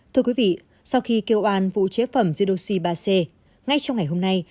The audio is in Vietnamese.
thưa quý vị sau khi kêu an vụ chế phẩm gidosi ba c ngay trong ngày hôm nay